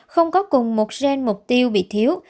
không có cùng một gen mục tiêu bị thiếu